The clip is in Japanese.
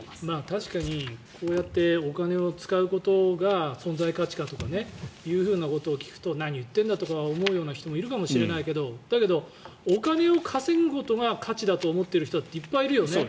確かにこうやってお金を使うことが存在価値だということを聞くと何言ってるんだと思う人もいるかもしれないけどだけど、お金を稼ぐことが価値だと思っている人だっていっぱいいるよね。